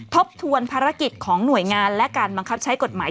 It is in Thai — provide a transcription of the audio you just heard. ทบทวนภารกิจของหน่วยงานและการบังคับใช้กฎหมาย